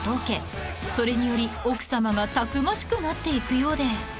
［それにより奥さまがたくましくなっていくようで］